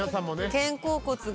肩甲骨が。